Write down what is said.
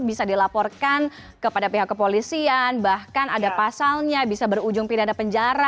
bisa dilaporkan kepada pihak kepolisian bahkan ada pasalnya bisa berujung pidana penjara